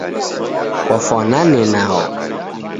Kwafanane nao